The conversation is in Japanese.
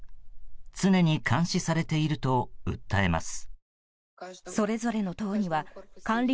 常に監視されていると訴えます。